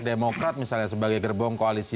demokrat misalnya sebagai gerbong koalisi